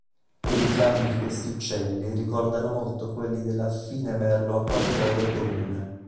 I richiami di questi uccelli ricordano molto quelli dell'affine merlo acquaiolo comune.